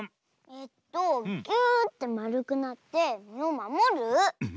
えっとギューッてまるくなってみをまもる？